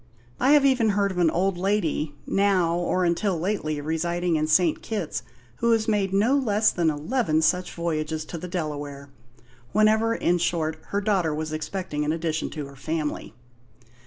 I have even heard of an old lady, now or until lately residing in St. Kitts, who has made no less than eleven such voyages to the Delaware whenever, in short, her daughter was expecting an addition to her family."